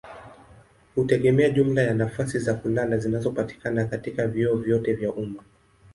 hutegemea jumla ya nafasi za kulala zinazopatikana katika vyuo vyote vya umma.